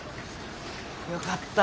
よかった